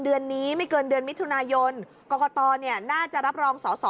เดือนนี้ไม่เกินเดือนมิถุนายนกรกตน่าจะรับรองสอสอ